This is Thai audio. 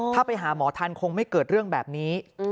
ถ้าไปหาหมอทันคงไม่เกิดเรื่องแบบนี้